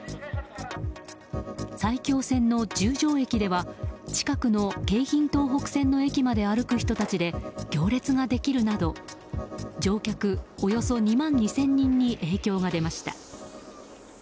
埼京線の十条駅では近くの京浜東北線の駅まで歩く人たちで行列ができるなど乗客およそ２万２０００人に影響が出ました。